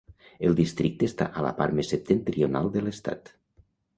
El districte està a la part més septentrional de l'estat.